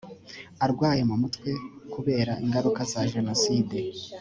arwaye mu mutwe kubera ingaruka za jenoside